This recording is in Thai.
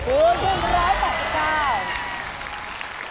อื้อนี่เป็น๑๘๙บาท